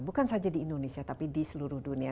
bukan saja di indonesia tapi di seluruh dunia